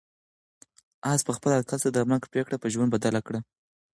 آس په خپل حرکت سره د مرګ پرېکړه په ژوند بدله کړه.